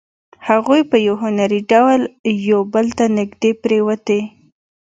هغوی په یو هنري ډول یو بل ته نږدې پرېوتې